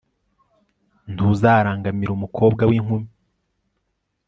ntuzarangamire umukobwa w'inkumi